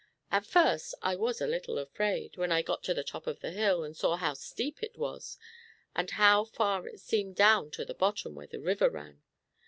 "At first I was a little afraid, when I got to the top of the hill, and saw how steep it was, and how far it seemed down to the bottom where the river ran.